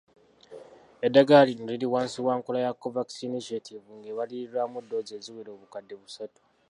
Eddagala lino liri wansi wa nkola ya COVAX Initiative ng'ebalirirwamu ddoozi eziwera obukadde busatu.